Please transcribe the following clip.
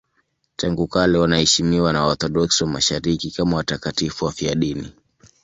Tangu kale wanaheshimiwa na Waorthodoksi wa Mashariki kama watakatifu wafiadini.